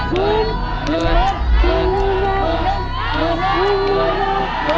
เมื่อสิบเมื่อสิบ